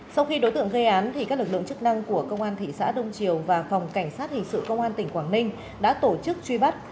sau khi đối tượng gây án các lực lượng chức năng của công an thị xã đông triều và phòng cảnh sát hình sự công an tỉnh quảng ninh đã tổ chức truy bắt